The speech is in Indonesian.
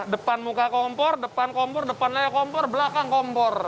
depan muka kompor depan kompor depan layar kompor belakang kompor